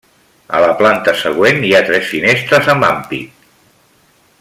A la planta següent, hi ha tres finestres amb ampit.